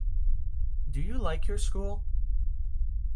Do you like your school?